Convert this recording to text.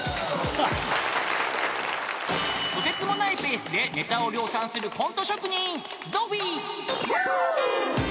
［とてつもないペースでネタを量産するコント職人！］